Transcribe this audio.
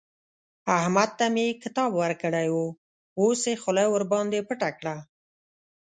احمد ته مې کتاب ورکړی وو؛ اوس يې خوله ورباندې پټه کړه.